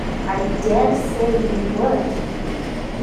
I dare say you would!